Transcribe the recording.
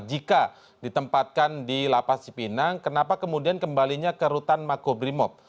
jika ditempatkan di lapas cipinang kenapa kemudian kembalinya ke rutan makobrimob